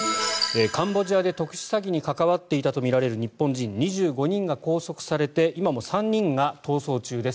カンボジアで特殊詐欺に関わっていたとみられる日本人２５人が拘束されて今も３人が逃走中です。